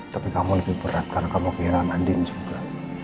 tapi kamu lebih berat karena kamu kehilangan andin juga